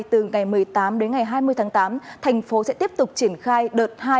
từ ngày một mươi tám đến ngày hai mươi tháng tám thành phố sẽ tiếp tục triển khai đợt hai